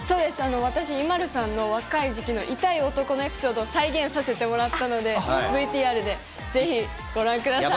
私、ＩＭＡＬＵさんの若い時期の男のエピソードを再現させてもらったのでＶＴＲで、ぜひご覧ください。